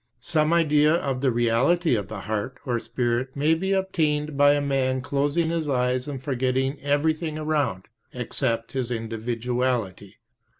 Some idea of the reality of the heart, or spirit, may be obtained by a man closing his eves and forgetting everything around except his individuality.